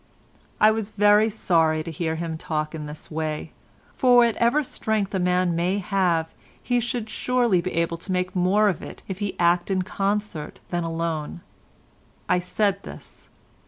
I was very sorry to hear him talk in this way; for whatever strength a man may have he should surely be able to make more of it if he act in concert than alone. I said this.